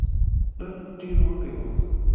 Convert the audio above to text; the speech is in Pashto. نن ډېر وږی وم !